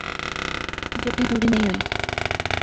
جبری دوری نئیں ہوںی